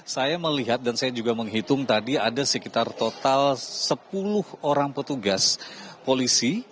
saya melihat dan saya juga menghitung tadi ada sekitar total sepuluh orang petugas polisi